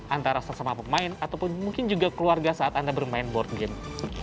antara sesama pemain ataupun mungkin juga keluarga saat anda bermain board game